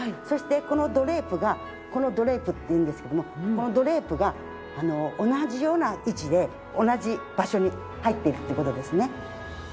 そしてこのドレープがこのドレープって言うんですけどもこのドレープが同じような位置で同じ場所に入っているという事ですね。